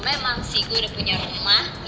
memang si gue udah punya rumah